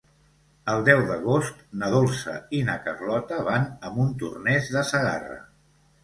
El deu d'agost na Dolça i na Carlota van a Montornès de Segarra.